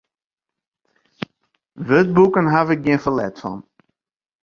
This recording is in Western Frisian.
Wurdboeken haw ik gjin ferlet fan.